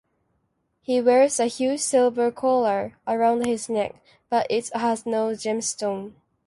He wears a huge silver collar around his neck but it has no gemstone.